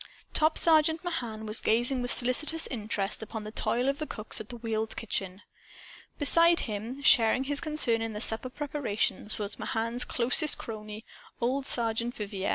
Top Sergeant Mahan was gazing with solicitous interest upon the toil of the cooks at the wheeled kitchen. Beside him, sharing his concern in the supper preparations, was Mahan's closest crony, old Sergeant Vivier.